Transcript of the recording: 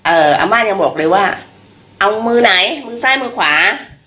อาม่ายังบอกเลยว่าเอามือไหนมือซ้ายมือขวา